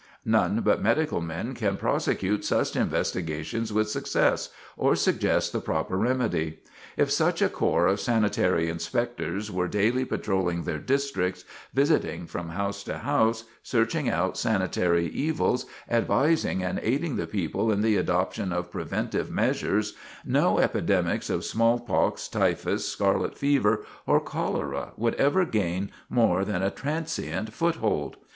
None but medical men can prosecute such investigations with success, or suggest the proper remedy. If such a corps of sanitary inspectors were daily patrolling their districts, visiting from house to house, searching out sanitary evils, advising and aiding the people in the adoption of preventive measures, no epidemics of smallpox, typhus, scarlet fever, or cholera would ever gain more than a transient foothold.